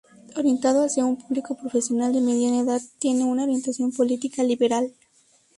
Orientado hacia un público profesional, de mediana edad, tiene una orientación política liberal.